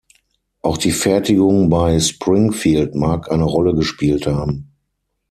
Auch die Fertigung bei Springfield mag eine Rolle gespielt haben.